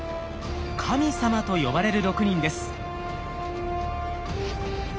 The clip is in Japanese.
「神様」と呼ばれる６人です。